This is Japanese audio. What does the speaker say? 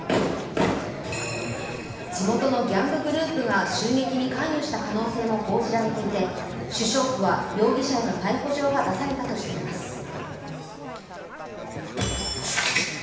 地元のギャンググループが襲撃に関与した可能性も報じられていて首相府は容疑者への逮捕状が出されたとしています。